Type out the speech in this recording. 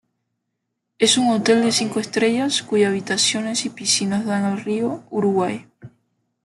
Es un hotel de cinco estrellas cuyas habitaciones y piscinas dan al Río Uruguay.